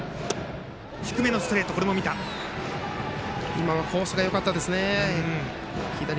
今はコースがよかったですね。